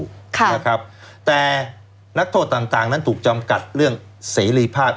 ค่ะนะครับแต่นักโทษต่างต่างนั้นถูกจำกัดเรื่องเสรีภาพ